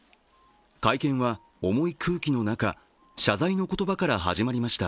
会見は重い空気の中、謝罪の言葉から始まりました。